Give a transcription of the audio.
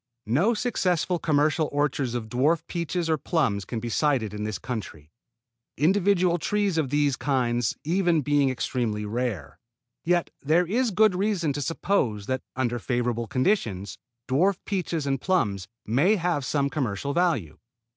No successful commercial orchards of dwarf peaches or plums can be cited in this country, individual trees of these kinds even being extremely rare; yet there is good reason to suppose that under favorable conditions dwarf peaches and plums may have some commercial value.